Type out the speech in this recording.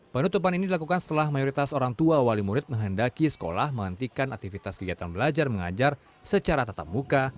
penutupan ini dilakukan setelah mayoritas orang tua wali murid menghendaki sekolah menghentikan aktivitas kegiatan belajar mengajar secara tatap muka